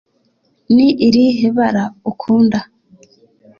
ni irihe bara ukunda ?